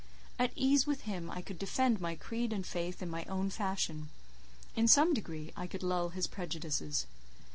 At ease with him, I could defend my creed and faith in my own fashion; in some degree I could lull his prejudices.